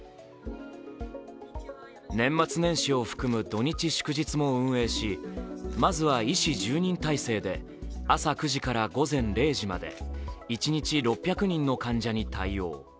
年末年始を含む土日祝日も運営し、まずは医師１０人態勢で朝９時から午前０時まで一日６００人の患者に対応。